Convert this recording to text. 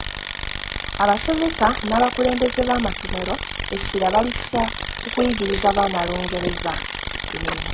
Abasomesa n’abakulembeze b’amasomero essira balissa ku kuyigiriza baana Lungereza.